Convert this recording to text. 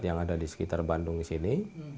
yang ada di sekitar bandung sini